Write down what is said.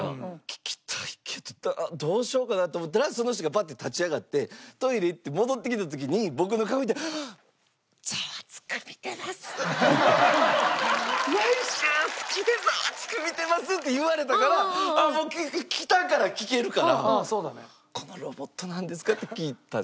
聞きたいけどどうしようかなと思ったらその人がバッて立ち上がってトイレ行って戻ってきた時に僕の顔見てって言われたからもう来たから聞けるから「このロボットなんですか？」って聞いたんですよ。